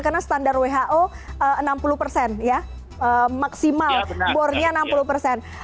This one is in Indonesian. karena standar who enam puluh persen ya maksimal bornya enam puluh persen